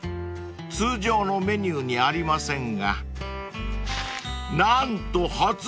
［通常のメニューにありませんが何と発売決定！］